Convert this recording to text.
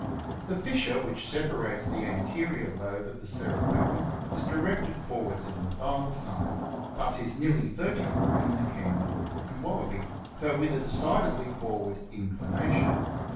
The fissure which separates the anterior lobe of the cerebellum is directed forwards in the Thylacine ^ but is nearly vertical in the Kangaroo and Wallaby, though with a decidedly forward inclination.